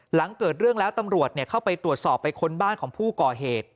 หลังเกิดเรื่องแล้วตำรวจเข้าไปตรวจสอบไปค้นบ้านของผู้ก่อเหตุ